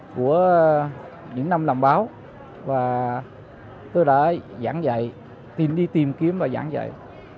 của những năm làm báo và tôi đã giảng dạy tìm đi tìm kiếm và giảng dạy